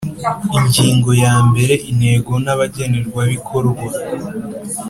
Ingingo ya mbere Intego n Abagenerwabikorwa